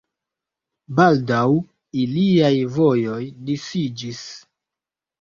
Baldaŭ iliaj vojoj disiĝis.